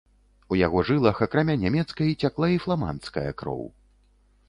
У яго жылах, акрамя нямецкай, цякла і фламандская кроў.